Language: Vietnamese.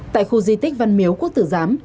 tại khu di tích văn miếu quốc tử giám